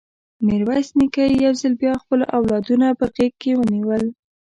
ميرويس نيکه يو ځل بيا خپل اولادونه په غېږ کې ونيول.